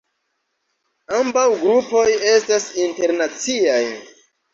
Ambaŭ grupoj estas internaciaj.